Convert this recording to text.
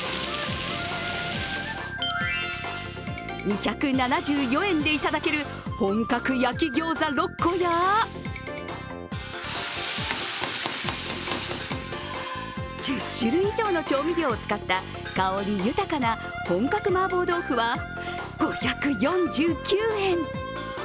２７４円で頂ける本格焼餃子６個や１０種類以上の調味料を使った香り豊かな本格麻婆豆腐は５４９円。